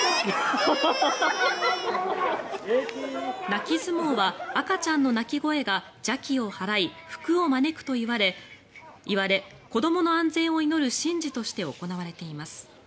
泣き相撲は赤ちゃんの泣き声が邪気を払い、福を招くといわれ子どもの安全を祈る神事として行われています。